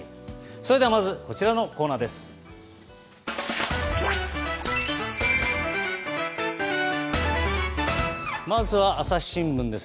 それではまずこちらのコーナーです。